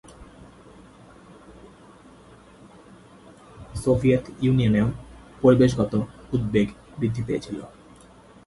Soviet ইউনিয়নেও পরিবেশগত উদ্বেগ বৃদ্ধি পেয়েছিল।